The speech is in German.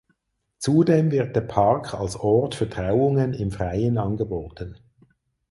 Zudem wird der Park als Ort für Trauungen im Freien angeboten.